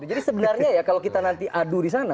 jadi sebenarnya ya kalau kita nanti adu di sana